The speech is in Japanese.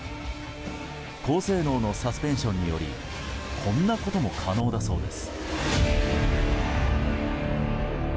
高性能のサスペンションによりこんなことも可能だそうです。